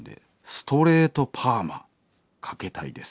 「ストレートパーマかけたいです。